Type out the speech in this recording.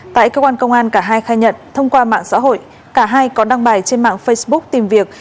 tại cơ quan công an cả hai khai nhận thông qua mạng xã hội cả hai có đăng bài trên mạng facebook tìm việc